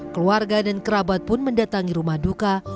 keluarga dan kerabat pun mendatangi rumah duka